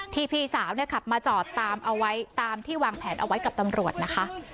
พี่สาวเนี่ยขับมาจอดตามเอาไว้ตามที่วางแผนเอาไว้กับตำรวจนะคะ